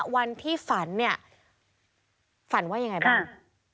วันที่ฝันเนี่ยฝันว่ายังไงบ้าง